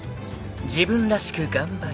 ［自分らしく頑張る］